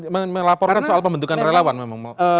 melaporkan soal pembentukan relawan memang